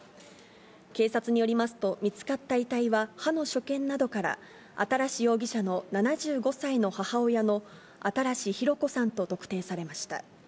警察によりますと、見つかった遺体は歯の所見などから、新容疑者の７５歳の母親の新博子さんと特定されました。